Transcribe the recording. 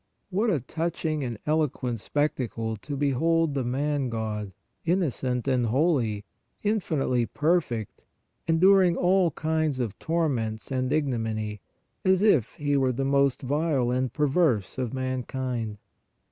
What a touching and eloquent spectacle to behold the Man God, innocent and holy, infinitely perfect, enduring all kinds of tor ments and ignominy, as if He were the most vile and perverse of mankind.